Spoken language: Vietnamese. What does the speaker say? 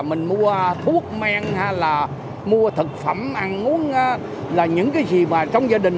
mình mua thuốc men hay là mua thực phẩm ăn uống là những cái gì mà trong gia đình